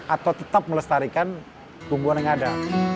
atau tetap melestarikan hubungan yang ada